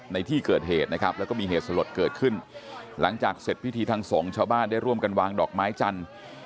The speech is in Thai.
ในที่เกิดเหตุนะครับแล้วก็มีเหตุสลดเกิดขึ้นหลังจากเสร็จพิธีทางสงฆ์ชาวบ้านได้ร่วมกันวางดอกไม้จันทร์